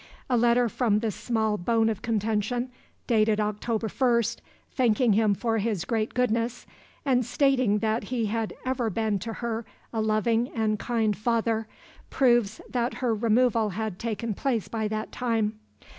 A letter from the small bone of contention, dated October 1, thanking him for his great goodness and stating that he had ever been to her a loving and kind father, proves that her removal had taken place by that time.